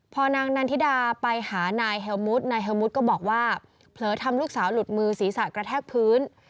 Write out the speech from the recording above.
พอนางนันทิดาไปหานายเฮลมุทนายเฮลมุทก็บอกว่าเผลอทำลูกสาวหลุดมือศีรษะกระแทกพื้น